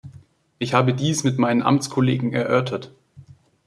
Ich habe dies mit meinen Amtskollegen erörtert.